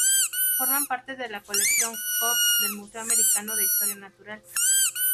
Forman parte de la colección Cope del Museo Americano de Historia Natural.